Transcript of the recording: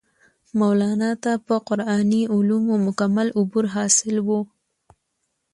مولانا ته پۀ قرآني علومو مکمل عبور حاصل وو